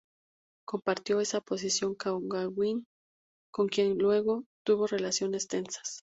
Compartió esa posición con Gauguin, con quien luego tuvo relaciones tensas.